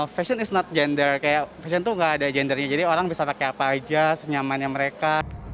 fashion is not gender kayak fashion tuh gak ada gendernya jadi orang bisa pakai apa aja senyamannya mereka